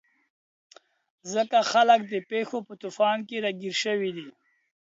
ځکه خلک د پېښو په توپان کې راګیر شوي دي.